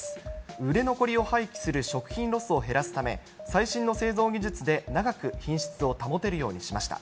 売れ残りを廃棄する食品ロスを減らすため、最新の製造技術で長く品質を保てるようにしました。